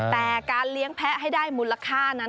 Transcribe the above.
แต่การเลี้ยงแพ้ให้ได้มูลค่านั้น